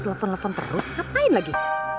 telepon telepon terus ngapain lagi